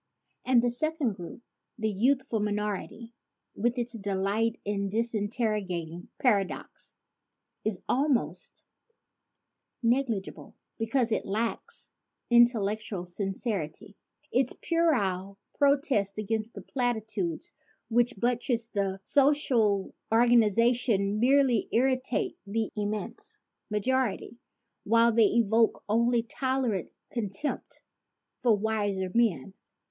And the second group, the youthful minority, with its delight in disintegrating paradox, is almost 127 A PLEA FOR THE PLATITUDE negligible, because it lacks intellectual sincerity. Its puerile protests against the platitudes which buttress the social organization merely irritate the immense majority, while they evoke only tolerant contempt from wiser men.